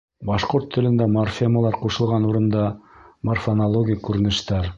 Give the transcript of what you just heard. Башҡорт телендә морфемалар ҡушылған урында морфонологик күренештәр